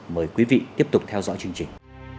mời quý vị tiếp tục theo dõi chương trình